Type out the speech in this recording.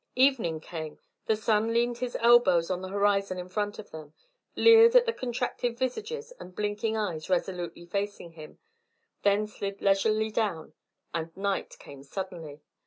Evening came; the sun leaned his elbows on the horizon in front of them, leered at the contracted visages and blinking eyes resolutely facing him, then slid leisurely down; and night came suddenly.